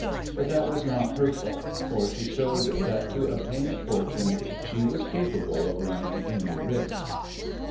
But that was not her fault, for she showed that to obtain a fortune she was capable of running any risk.